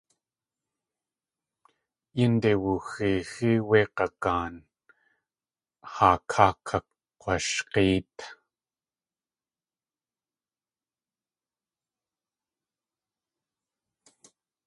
Yínde wuxeexí wé g̲agaan, haa káa kakg̲washg̲éet.